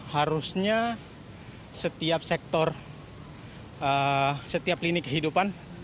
harusnya setiap sektor setiap lini kehidupan